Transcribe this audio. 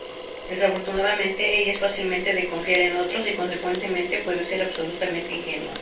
Desafortunadamente, ella es fácilmente de confiar en otros y, consecuentemente, puede ser absolutamente ingenua.